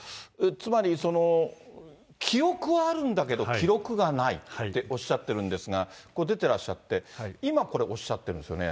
つまり、記憶はあるんだけど、記録がないっておっしゃってるんですが、出てらっしゃって、今、これ、おっしゃってるんですよね。